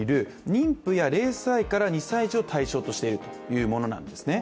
妊婦や０歳から２歳児を対象としているものなんですね。